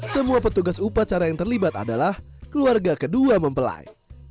semua petugas upacara yang terlibat adalah keluarga kedua mempelai